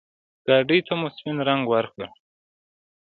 ګاډي ته مو سپين رنګ ورکړ.